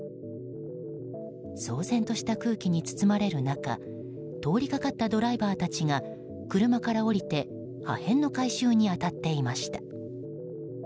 騒然とした空気に包まれる中通りかかったドライバーたちが車から降りて破片の回収に当たっていました。